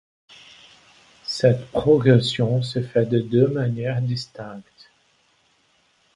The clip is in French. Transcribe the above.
Cette progression se fait de deux manières distinctes.